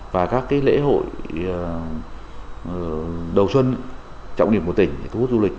và các lễ hội đầu xuân trọng điểm của tỉnh để thu hút du lịch